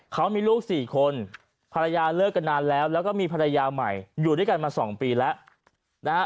เขามีลูก๔คนภรรยาเลิกกันนานแล้วแล้วก็มีภรรยาใหม่อยู่ด้วยกันมา๒ปีแล้วนะฮะ